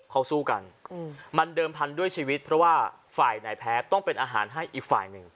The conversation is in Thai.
เขาสู้กันมันเดิมพันธุ์ด้วยชีวิตเพราะว่าฝ่ายไหนแพ้ต้องเป็นอาหารให้อีกฝ่ายหนึ่ง